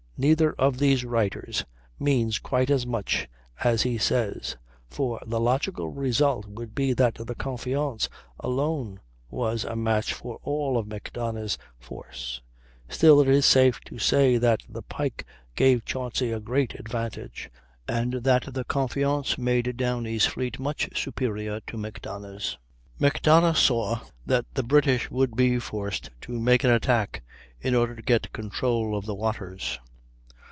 Neither of these writers means quite as much as he says, for the logical result would be that the Confiance alone was a match for all of Macdonough's force. Still it is safe to say that the Pike gave Chauncy a great advantage, and that the Confiance made Downie's fleet much superior to Macdonough's. Macdonough saw that the British would be forced to make the attack in order to get the control of the waters.